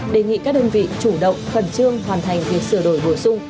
đề nghị các đơn vị chủ động khẩn trương hoàn thành việc sửa đổi bổ sung